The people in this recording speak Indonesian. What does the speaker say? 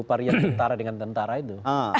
varian tentara dengan tentara itu